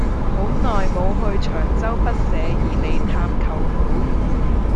好耐無去長洲北社二里探舅父